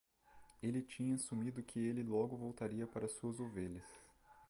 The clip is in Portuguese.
Ele tinha assumido que ele logo voltaria para suas ovelhas.